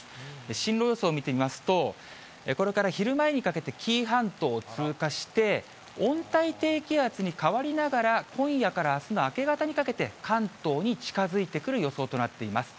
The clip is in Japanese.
進路予想見てみますと、これから昼前にかけて、紀伊半島を通過して、温帯低気圧に変わりながら、今夜からあすの明け方にかけて、関東に近づいてくる予想となっています。